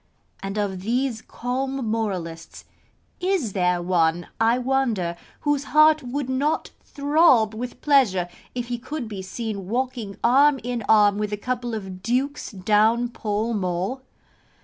And of these calm moralists, is there one, I wonder, whose heart would not throb with pleasure if he could be seen walking arm in arm with a couple of dukes down Pall Mall?